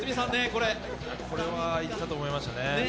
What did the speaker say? これはいったと思いましたね。